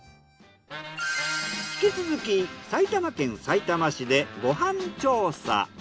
引き続き埼玉県さいたま市でご飯調査。